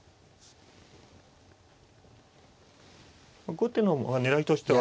後手の狙いとしては。